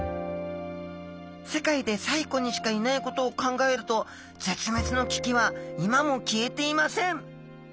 世界で西湖にしかいないことを考えると絶滅の危機は今も消えていません。